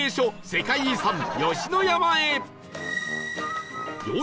世界遺産吉野山へ